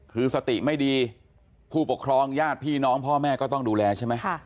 คือสติไม่ดีผู้ปกครองญาติพี่น้องพ่อแม่ก็ต้องดูแลใช่ไหม